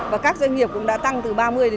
và các doanh nghiệp cũng đã tăng từ ba mươi bốn mươi